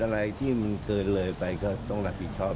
อารายที่มันเกินเลยไปก็ต้องกำชับ